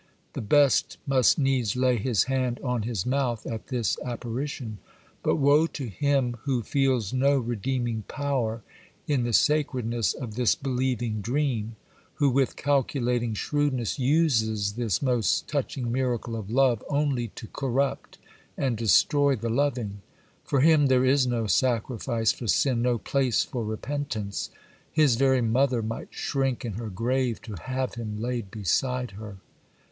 The best must needs lay his hand on his mouth at this apparition; but woe to him who feels no redeeming power in the sacredness of this believing dream,—who with calculating shrewdness uses this most touching miracle of love only to corrupt and destroy the loving! For him there is no sacrifice for sin, no place for repentance. His very mother might shrink in her grave to have him laid beside her.